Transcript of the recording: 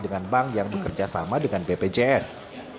dengan bank yang bekerja sama dengan bpjs